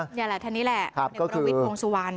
นี่แหละท่านนี้แหละพลเอกประวิทย์วงสุวรรณ